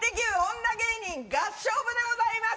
女芸人合唱部でございます。